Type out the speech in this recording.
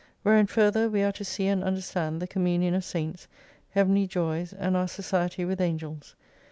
Wherein further we are to see and understand the communion of Saints, Heavenly joys, and our society with Angels.